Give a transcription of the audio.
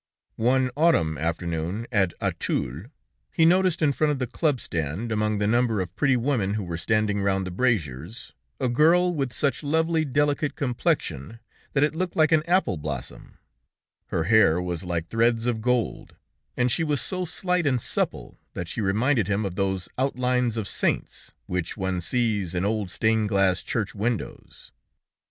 One autumn afternoon at Auteuil, he noticed in front of the club stand, among the number of pretty women who were standing round the braziers, a girl with such lovely delicate complexion that it looked like an apple blossom; her hair was like threads of gold, and she was so slight and supple that she reminded him of those outlines of saints which one sees in old stained glass church windows.